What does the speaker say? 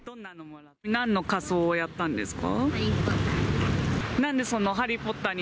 なんの仮装をやったんですか？